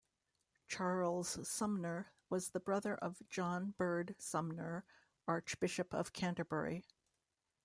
Charles Sumner was a brother of John Bird Sumner, Archbishop of Canterbury.